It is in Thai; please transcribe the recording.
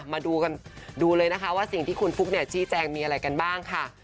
มาดูกันดูเลยนะคะว่าสิ่งที่คุณฟุ๊กเนี่ยชี้แจงมีอะไรกันบ้างค่ะ